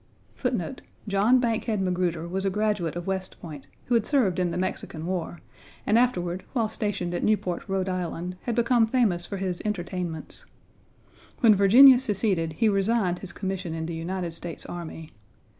John Bankhead Magruder was a graduate of West Point, who had served in the Mexican War, and afterward while stationed at Newport, R. I., had become famous for his entertainments. When Virginia seceded, he resigned his commission in the United States Army.